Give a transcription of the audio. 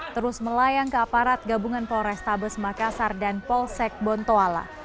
terus melayang ke aparat gabungan polrestabes makassar dan polsek bontoala